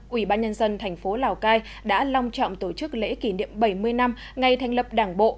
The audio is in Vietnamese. ủy ban nhân dân thành phố lào cai đã long trọng tổ chức lễ kỷ niệm bảy mươi năm ngày thành lập đảng bộ